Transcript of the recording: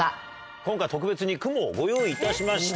今回特別にＫＵＭＯをご用意いたしました。